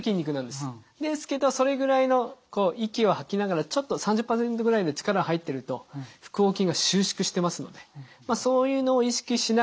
ですけどそれぐらいのこう息を吐きながらちょっと３０％ぐらいの力入ってると腹横筋が収縮してますのでまあそういうのを意識しながら生活すると。